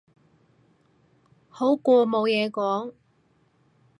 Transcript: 好過冇嘢講